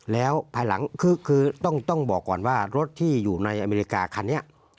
แล้วภายหลังคือต้องบอกก่อนว่ารถที่อยู่ในอเมริกาคันนี้